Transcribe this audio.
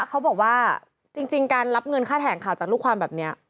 เขาบอกว่าจริงการรับเงินค่าแถลงข่าวจากลูกความแบบนี้